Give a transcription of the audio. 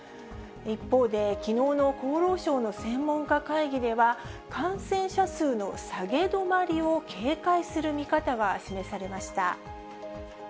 一方で、きのうの厚労省の専門家会議では、感染者数の下げ止まりを警戒する見方が示されました。